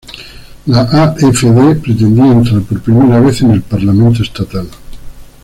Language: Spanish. La AfD pretendía entrar por primera vez en el parlamento estatal.